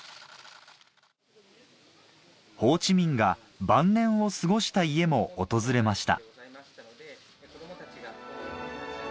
ホーチミンが晩年を過ごした家も訪れました